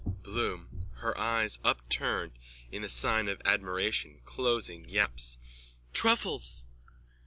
BLOOM: (Her eyes upturned in the sign of admiration, closing, yaps.) Truffles!